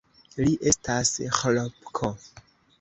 Li estas Ĥlopko!